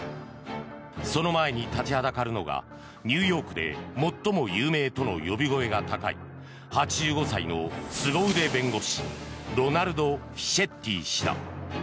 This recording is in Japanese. その前に立ちはだかるのがニューヨークで最も有名との呼び声が高い８５歳のすご腕弁護士ロナルド・フィシェッティ氏だ。